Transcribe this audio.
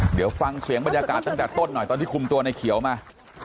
เดี๋ยวฟังเสียงบรรยากาศตั้งแต่ต้นหน่อยตอนที่คุมตัวในเขียวมา